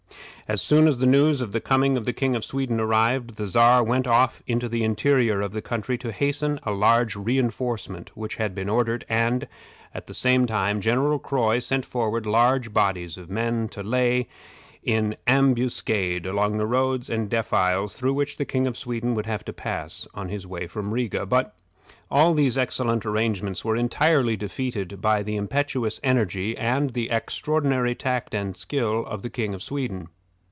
As soon as news of the coming of the King of Sweden arrived, the Czar went off into the interior of the country to hasten a large re enforcement which had been ordered, and, at the same time, General Croy sent forward large bodies of men to lay in ambuscade along the roads and defiles through which the King of Sweden would have to pass on his way from Riga. But all these excellent arrangements were entirely defeated by the impetuous energy, and the extraordinary tact and skill of the King of Sweden.